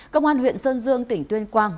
công an huyện sơn dương tỉnh tuyên quang